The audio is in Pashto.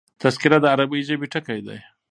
تذکره د عربي ژبي ټکی دﺉ.